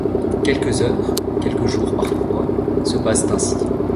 Quelques heures, quelques jours parfois, se passent ainsi.